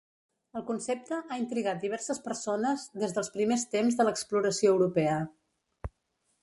El concepte ha intrigat diverses persones des dels primers temps de l'exploració europea.